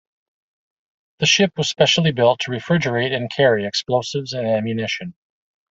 The ship was specially built to refrigerate and carry explosives and ammunition.